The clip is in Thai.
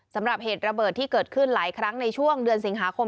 สำหรับเหตุระเบิดที่เกิดขึ้นหลายครั้งในช่วงเดือนสิงหาคม